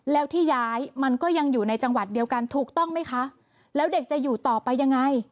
แล้วที่ย้ายมันก็ยังอยู่ในจังหวัดเดียวกันถูกต้องไหมคะแล้วเด็กจะอยู่ต่อไปยังไง